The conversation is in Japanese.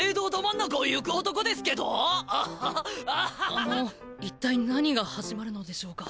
あの一体何が始まるのでしょうか。